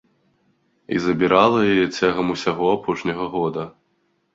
І забірала яе цягам усяго апошняга года.